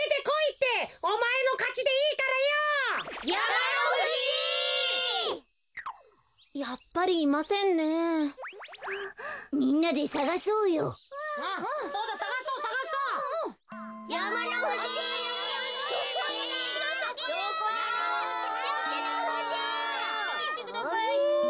やまのふじ！でてきてください。